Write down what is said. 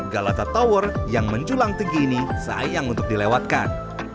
galata tower yang menjulang tinggi ini sayang untuk dilewatkan